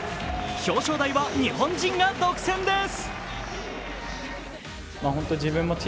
表彰台は日本人が独占です。